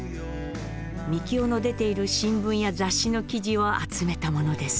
みきおの出ている新聞や雑誌の記事を集めたものです。